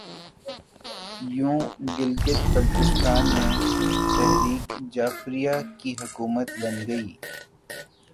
یوں گلگت بلتستان میں تحریک جعفریہ کی حکومت بن گئی